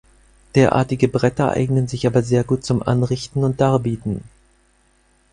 Derartige Bretter eignen sich aber sehr gut zum Anrichten und Darbieten.